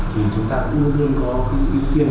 thì chúng ta cũng luôn có ưu tiên